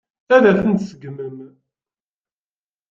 Ad ten-tseggmem?